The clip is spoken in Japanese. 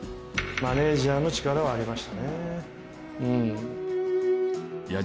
マネジャーの力はありましたねえ。